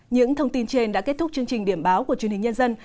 những thông tin trên đã kết thúc chương trình điểm báo của truyền hình nhân dân